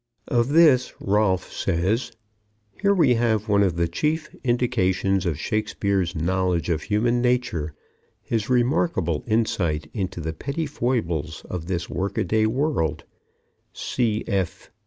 Of this Rolfe says: "Here we have one of the chief indications of Shakespeare's knowledge of human nature, his remarkable insight into the petty foibles of this work a day world."